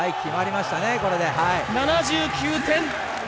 ７９点。